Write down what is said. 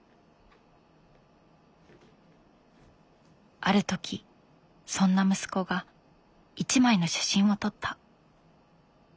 ある時そんな息子が１枚の写真を撮った。